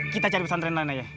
kita cari pesantren lain aja